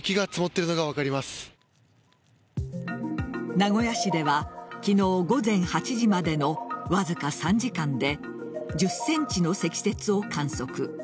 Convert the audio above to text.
名古屋市では昨日午前８時までのわずか３時間で１０ｃｍの積雪を観測。